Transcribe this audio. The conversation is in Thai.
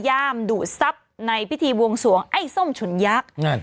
ย่ามดุทรัพย์ในพิธีบวงสวงไอ้ส้มฉุนยักษ์